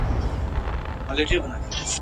بلا ترې زیږي بلا پر اوري !.